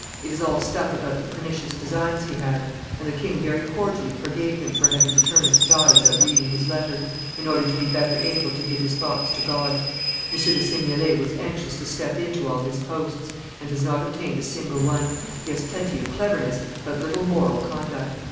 It is all stuff about the pernicious designs he had; and the king very cordially forgave him for having determined to die without reading his letter, in order to be better able to give his thoughts to God. M. de Seignelay was anxious to step into all his posts, and has not obtained a single one; he has plenty of cleverness, but little moral conduct.